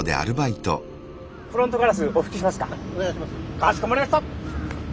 かしこまりました！